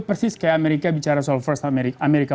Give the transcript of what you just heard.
persis kayak amerika bicara soal first amerika